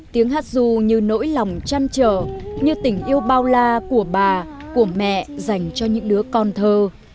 tiếng hát ru như nỗi lòng chăn trở như tình yêu bao la của bà của mẹ dành cho những đứa con thơ